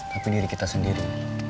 tapi diri kita sendiri